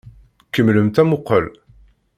Kemmlemt amuqqel!